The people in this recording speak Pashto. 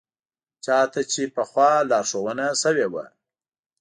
چا ته چې پخوا لارښوونه شوې وه.